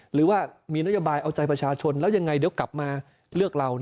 หรือว่ามีนโยบายเอาใจประชาชนแล้วยังไงเดี๋ยวกลับมาเลือกเรา